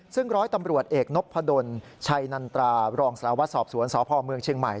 ซึ่งร้อยตำรวจเอกนพดลชัยนันตรารองสารวัตรสอบสวนสพเมืองเชียงใหม่